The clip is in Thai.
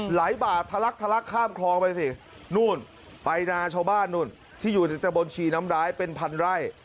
หลายบาททะลักข้ามคลองไปสิไปนาชาวบ้านที่อยู่ในตำบลชีน้ำร้ายเป็นพันไร่